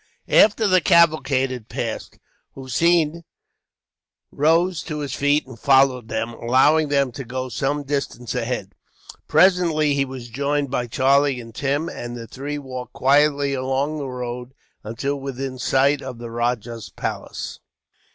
After the cavalcade had passed, Hossein rose to his feet and followed them, allowing them to go some distance ahead. Presently he was joined by Charlie and Tim, and the three walked quietly along the road, until within sight of the rajah's palace.